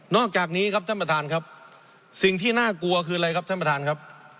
อกจากนี้ครับท่านประธานครับสิ่งที่น่ากลัวคืออะไรครับท่านประธานครับ